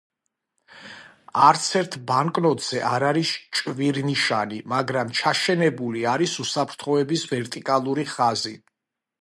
არცერთ ბანკნოტზე არ არის ჭვირნიშანი, მაგრამ ჩაშენებული არის უსაფრთხოების ვერტიკალური ხაზი.